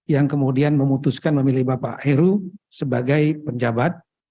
yang kemudian memutuskan memilih bapak heru sebagai penjabat